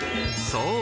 ［そう。